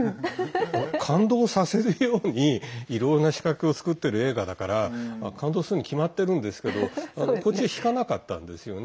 感動させるようにいろいろな仕掛けを作っている映画だから感動するに決まってるんですけど途中、引かなかったんですよね。